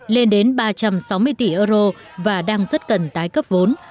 lên đến ba trăm sáu mươi tỷ euro và đang rất cần tái cấp vốn